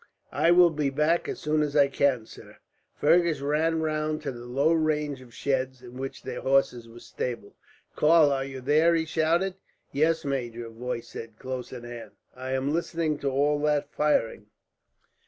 "I will be back as soon as I can, sir." Fergus ran round to the low range of sheds in which their horses were stabled. "Karl, are you there?" he shouted. "Yes, major," a voice said, close at hand. "I am listening to all that firing."